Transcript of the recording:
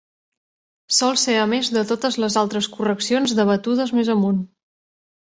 Sol ser a més de totes les altres correccions debatudes més amunt.